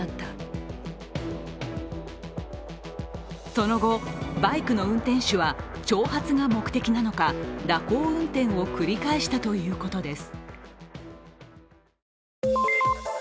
その後、バイクの運転手は挑発が目的なのか蛇行運転を繰り返したということです。